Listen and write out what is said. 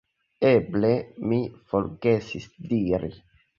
Eble mi forgesis diri.